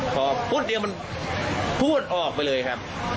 พอพูดเดียวมันพูดออกไปเลยครับ